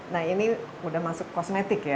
nah ini sudah masuk kosmetik ya